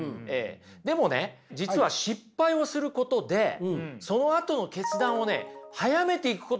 でもね実は失敗をすることでそのあとの決断をね早めていくことができるんですよ。